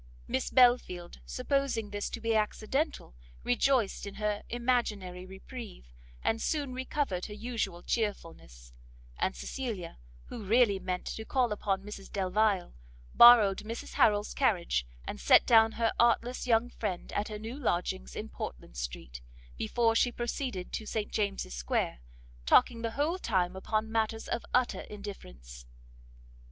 Miss Belfield, supposing this to be accidental, rejoiced in her imaginary reprieve, and soon recovered her usual chearfulness; and Cecilia, who really meant to call upon Mrs Delvile, borrowed Mrs Harrel's carriage, and set down her artless young friend at her new lodgings in Portland street, before she proceeded to St James's square, talking the whole time upon matters of utter indifference.